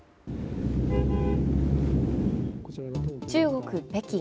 中国・北京。